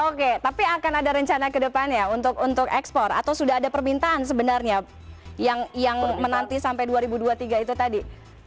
oke tapi akan ada rencana ke depannya untuk ekspor atau sudah ada permintaan sebenarnya yang menanti sampai dua ribu dua puluh tiga itu tadi